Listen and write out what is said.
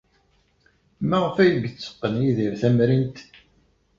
Maɣef ay yetteqqen Yidir tamrint?